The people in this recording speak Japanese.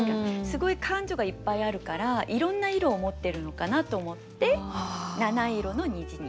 すごい感情がいっぱいあるからいろんな色を持ってるのかなと思って「七色の虹」に。